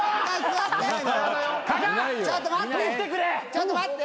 ちょっと待って。